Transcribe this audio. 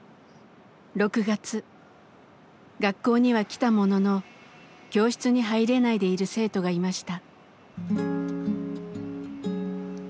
学校には来たものの教室に入れないでいる生徒がいました。